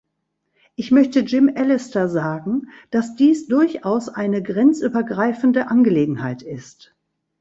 Ich möchte Jim Allister sagen, dass dies durchaus eine grenzübergreifende Angelegenheit ist.